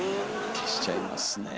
消しちゃいますね。